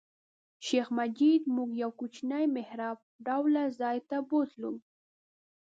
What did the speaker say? شیخ مجید موږ یو کوچني محراب ډوله ځای ته بوتلو.